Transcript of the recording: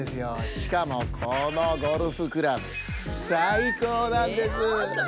しかもこのゴルフクラブさいこうなんです。